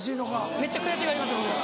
めっちゃ悔しがります僕は。